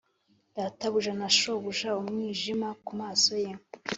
databuja na shobuja, umwijima kumaso ye,